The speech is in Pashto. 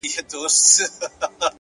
کنجکاوي د پوهې سرچینه ده.!